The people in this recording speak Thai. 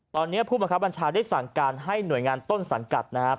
ตอนนี้ผู้บังคับบัญชาได้สั่งการให้หน่วยงานต้นสังกัดนะครับ